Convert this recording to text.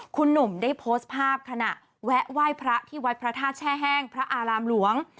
คุณหนุ่มได้โพสต์ภาพขณะแวะไหว้พระที่วัดพระธาตุแช่แห้งพระอารามหลวง